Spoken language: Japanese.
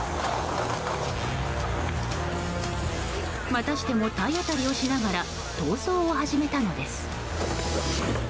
またしても体当たりをしながら逃走を始めたのです。